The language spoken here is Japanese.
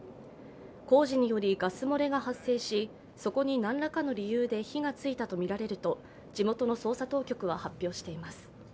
工事によりガス漏れが発生し、そこに何らかの理由で火がついたとみられると地元の捜査当局は発表しています。